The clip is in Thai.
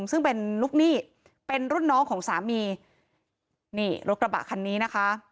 ซึ่งเป็นลูกหนี้เป็นรุ่นน้องของสามีนี่รถกระบะคันนี้นะคะ